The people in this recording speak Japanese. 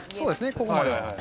ここまでは。